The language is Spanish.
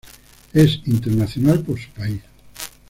Es internacional por su país.